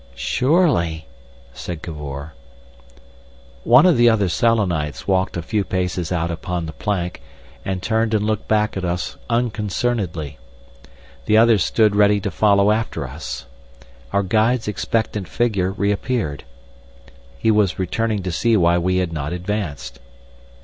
"Surely!—" said Cavor. One of the other Selenites walked a few paces out upon the plank, and turned and looked back at us unconcernedly. The others stood ready to follow after us. Our guide's expectant figure reappeared. He was returning to see why we had not advanced.